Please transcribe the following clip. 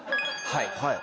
はい。